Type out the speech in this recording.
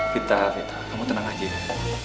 vita vita kamu tenang aja